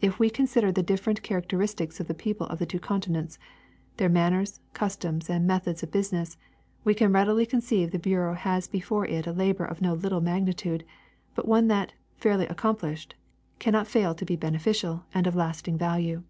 If we consider the different characteristics of the people of the two continents — their manners, customs and methods of lousiness — we can readily conceive the bureau has before it a labor of no little magnitude, but one that, fairly accomplished, cannot fail to be beneficial and of lasting value.